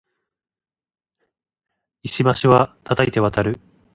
石橋は叩いて渡る